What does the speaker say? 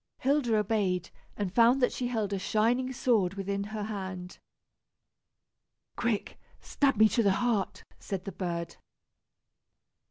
Hilda obeyed, and found that she held a shining sword within her hand. "Quick, stab me to the heart!" said the bird.